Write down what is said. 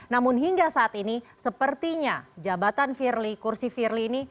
namun hingga saat ini sepertinya jabatan firly kursi firly ini